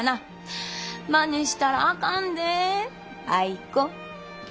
まねしたらあかんでアイ子。